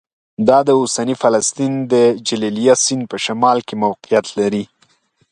دا د اوسني فلسطین د جلیلیه سیند په شمال کې موقعیت لري